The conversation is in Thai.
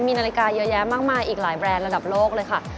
มีนาฬิกาเยอะแยะมากมายอีกหลายแบรนด์ระดับโลกเลยค่ะ